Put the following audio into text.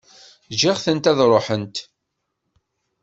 Ǧǧiɣ-tent ad ruḥent.